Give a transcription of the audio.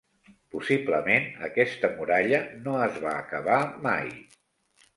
Possiblement, aquesta muralla no es va acabar mai.